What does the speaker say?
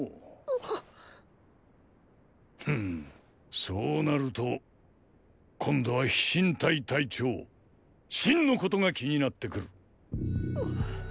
フッそうなると今度は飛信隊隊長信のことが気になってくる。